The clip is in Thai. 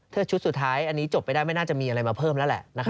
ถ้าชุดสุดท้ายอันนี้จบไปได้ไม่น่าจะมีอะไรมาเพิ่มแล้วแหละ